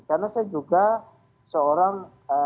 karena saya juga seorang